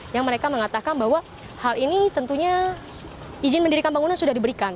yang mereka mengatakan bahwa hal ini tentunya izin mendirikan bangunan sudah diberikan